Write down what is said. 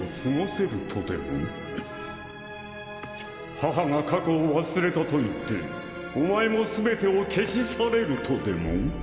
母が過去を忘れたといってお前も全てを消し去れるとでも？